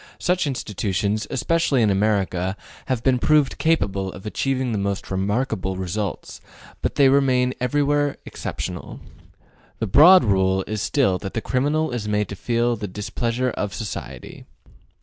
Such institutions, especially in America, have been proved capable of achieving the most remarkable results, but they remain everywhere exceptional. The broad rule is still that the criminal is made to feel the displeasure of society.